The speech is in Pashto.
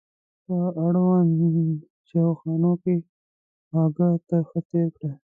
په اړونده چایخونه کې خواږه ترخه تېر کړل.